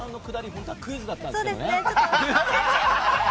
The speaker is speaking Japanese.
本当はクイズだったんだよね。